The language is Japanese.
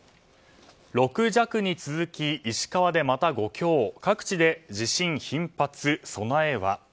６弱に続き石川でまた５強各地で地震頻発、備えは？